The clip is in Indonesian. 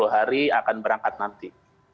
untuk yang sudah sepuluh hari akan berangkat nanti